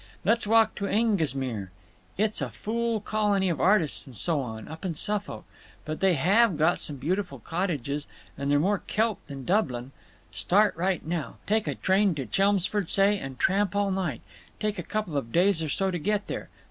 _ Let's walk to Aengusmere. It's a fool colony of artists and so on, up in Suffolk; but they have got some beautiful cottages, and they're more Celt than Dublin…. Start right now; take a train to Chelmsford, say, and tramp all night. Take a couple of days or so to get there.